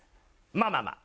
「まあまあまあ」